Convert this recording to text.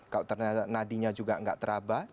kalau nadinya juga nggak terabah